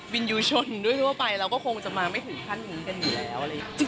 วินยูชนด้วยทั่วไปเราก็คงจะมาไม่ถึงขั้นหนึ่งกันอยู่แล้ว